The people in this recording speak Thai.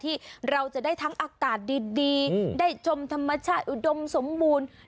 ที่เราจะได้ทั้งอากาศดีได้ชมธรรมชาติอุดมสมบูรณ์